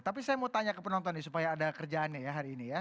tapi saya mau tanya ke penonton nih supaya ada kerjaannya ya hari ini ya